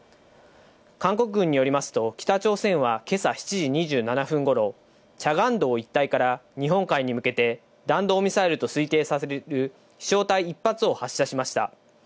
韓国軍によりますと、北朝鮮は、けさ７時２７分ごろ、チャガン道一帯から日本海に向けて、弾道ミサイルと推定される飛しょう体１発を発射しました。